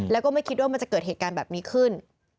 แล้วก็ไม่คิดว่ามันจะเกิดเหตุการณ์แบบนี้ขึ้น